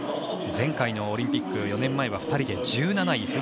前回のオリンピック４年前は２人で１７位。